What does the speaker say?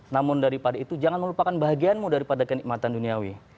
namun daripada itu jangan melupakan bahagiaanmu daripada kenikmatan duniawi